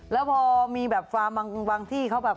แล้วพอมีแบบฟาร์มบางที่เขาแบบ